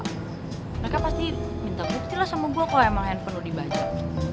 mereka pasti minta bukti lah sama gue kalo emang handphone lo dibajak